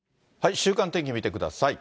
週間天気見てください。